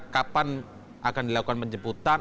kapan akan dilakukan penjemputan